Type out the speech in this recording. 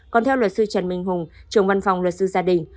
còn theo luật sư trần minh hùng trưởng văn phòng luật sư gia đình